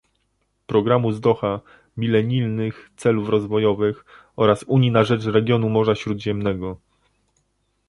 programu z Doha, milenijnych celów rozwojowych, oraz Unii na rzecz Regionu Morza Śródziemnego